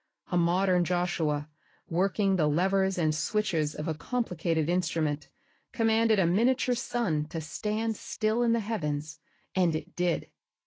A modern Joshua, working the levers and switches of a complicated instrument, commanded a miniature sun to stand still in the heavens and it did.